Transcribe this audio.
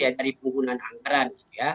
adalah pengelolaan anggaran